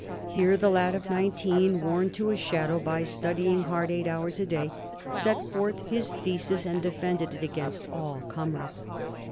Here the lad of nineteen, worn to a shadow by studying hard eight hours a day, set forth his thesis and defended it against all comers.